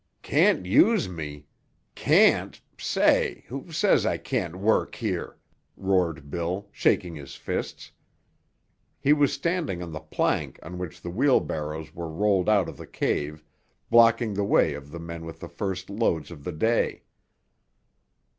"Can't use me—can't——Say! Who says I can't work here?" roared Bill, shaking his fists. He was standing on the plank on which the wheelbarrows were rolled out of the cave, blocking the way of the men with the first loads of the day.